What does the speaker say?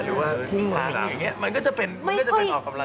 หรือว่าหลังอย่างนี้มันก็จะเป็นออกกำลังกาย